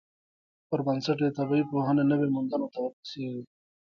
پر بنسټ یې طبیعي پوهنې نویو موندنو ته ورسیږي.